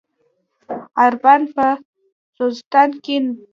عربان په خوزستان کې دي.